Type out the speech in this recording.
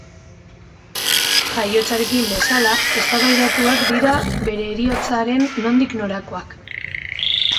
Jaiotzarekin bezala, eztabaidatuak dira bere heriotzaren nondik-norakoak.